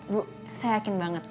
bu saya yakin banget